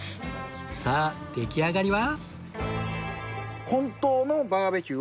さあ出来上がりは？